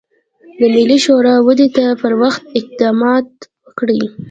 د ملي شعور ودې ته پر وخت اقدامات وکړي.